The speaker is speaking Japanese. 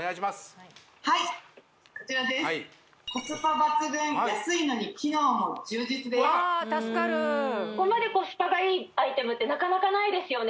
はいこちらですわあ助かるここまでコスパがいいアイテムってなかなかないですよね